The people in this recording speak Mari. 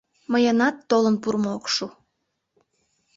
Мыйынат толын пурымо ок шу.